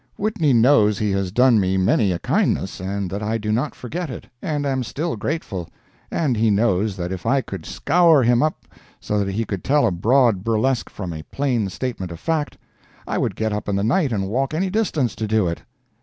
Whitney knows he has done me many a kindness, and that I do not forget it, and am still grateful—and he knows that if I could scour him up so that he could tell a broad burlesque from a plain statement of fact, I would get up in the night and walk any distance to do it.